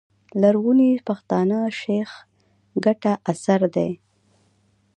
لرغوني پښتانه، شېخ کټه اثر دﺉ.